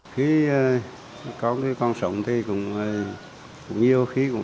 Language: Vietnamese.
các hạng mục cơ bản của công trình